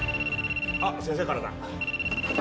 あっ先生からだ。